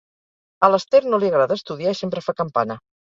A l'Ester no li agrada estudiar i sempre fa campana: